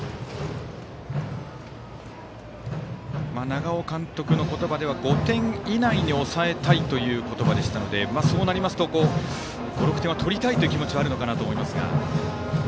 長尾監督の言葉では５点以内に抑えたいという言葉でしたのでそうなりますと５６点は取りたいという気持ちあるのかなと思いますが。